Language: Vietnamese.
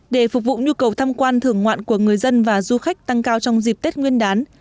để phục vụ nhu cầu tham quan thưởng ngoạn của người dân và du khách tăng cao trong dịp tết nguyên đán